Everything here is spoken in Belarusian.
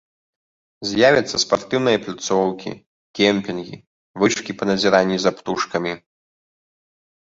З'явяцца спартыўныя пляцоўкі, кемпінгі, вышкі па назіранні за птушкамі.